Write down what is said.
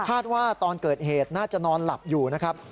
ว่าตอนเกิดเหตุน่าจะนอนหลับอยู่นะครับ